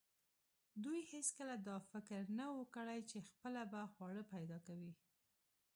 دوی هیڅکله دا فکر نه و کړی چې خپله به خواړه پیدا کوي.